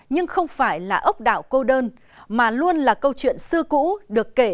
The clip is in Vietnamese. nhưng không phải là ốc đạo cô đơn mà luôn là câu chuyện xưa cũ được kể